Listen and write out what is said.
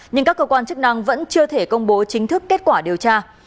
nhưng các cơ quan chức năng vẫn chưa thể công bố chính thức kết quả điều tra